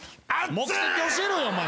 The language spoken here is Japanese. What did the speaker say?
目的教えろよお前は。